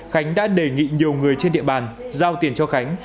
khánh đã đề nghị nhiều người trên địa bàn giao tiền cho khánh